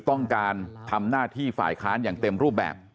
ต้องการทำหน้าที่ฝ่ายค้านอย่างเต็มรูปแบบ